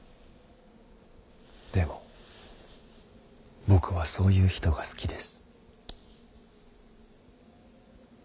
でも僕はそういう人が好きです。